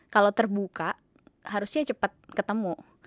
kalau terbuka harusnya cepat ketemu